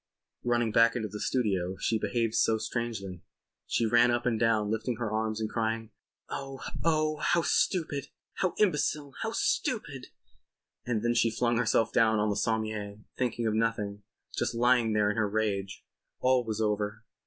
Running back into the studio she behaved so strangely. She ran up and down lifting her arms and crying: "Oh! Oh! How stupid! How imbecile! How stupid!" And then she flung herself down on the sommier thinking of nothing—just lying there in her rage. All was over.